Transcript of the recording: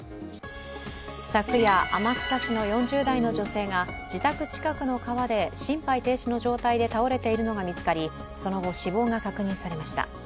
昨夜、天草市の４０代の女性が自宅近くの川で心肺停止の状態で倒れているのが見つかりその後、死亡が確認されました。